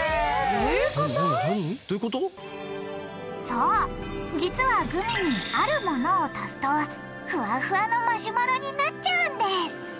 そう実はグミにあるものを足すとフワフワのマシュマロになっちゃうんです！